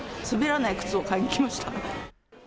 滑らない靴を買いに来ました。